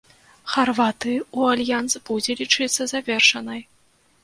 Харватыі ў альянс будзе лічыцца завершанай.